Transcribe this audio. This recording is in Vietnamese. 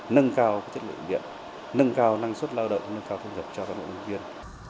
nâng cao chất lượng điện nâng cao năng suất lao động nâng cao thông dập cho các bộ công viên